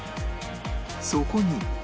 そこに